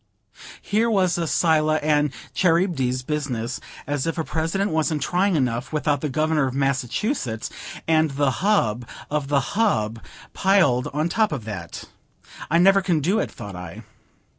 Here was a Scylla and Charybdis business: as if a President wasn't trying enough, without the Governor of Massachusetts and the hub of the hub piled on top of that. "I never can do it," thought I.